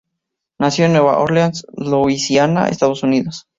Nació en Nueva Orleans, Louisiana, Estados Unidos.